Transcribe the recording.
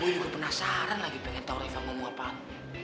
gue juga penasaran lagi pengen tau reva ngomong apaan